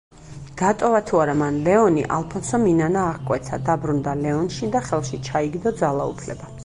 დატოვა თუ არა მან ლეონი, ალფონსომ ინანა აღკვეცა, დაბრუნდა ლეონში და ხელში ჩაიგდო ძალაუფლება.